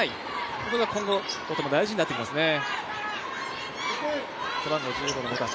それが今後、とても大事になってきますね。